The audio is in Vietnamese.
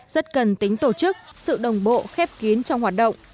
rất cần tính tổ chức sự đồng bộ khép kín trong hoạt động